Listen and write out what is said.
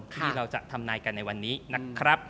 ที่เราจะทำนายกันในวันนี้นะครับ